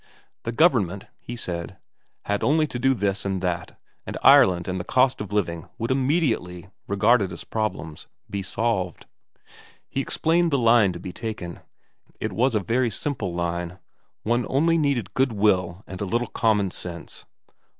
The Government, he said, only had to do this and that, and Ireland and the cost of living would immediately, regarded as problems, be solved. He explained the line to be taken. It was a very simple line. One only needed goodwill and a little common sense.